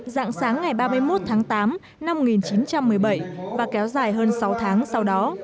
dạng sáng ngày ba mươi một tháng tám năm một nghìn chín trăm một mươi bảy và kéo dài hơn sáu tháng sau đó